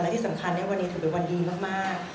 และที่สำคัญวันนี้ถือเป็นวันดีมาก